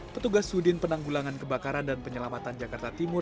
petugas sudin penanggulangan kebakaran dan penyelamatan jakarta timur